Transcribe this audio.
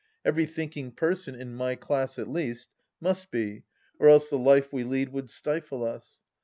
Every thinking person, in my class at least, must be, or else the life we lead would stifle us.